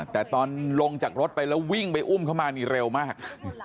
แต่ตอนลงจากรถไปแล้ววิ่งไปอุ้มเขามานี่เร็วมาก